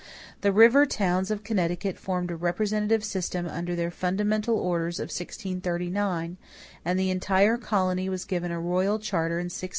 The river towns of Connecticut formed a representative system under their "Fundamental Orders" of 1639, and the entire colony was given a royal charter in 1662.